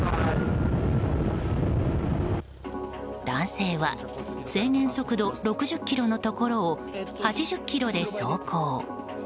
男性は制限速度６０キロのところを８０キロで走行。